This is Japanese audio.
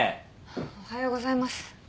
おはようございます。